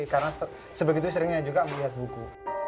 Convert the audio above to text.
karena sebegitu seringnya juga melihat buku